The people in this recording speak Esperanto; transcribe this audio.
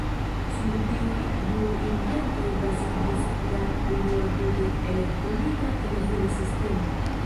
Sur tiuj du inventoj baziĝis la unua tute elektronika televida sistemo.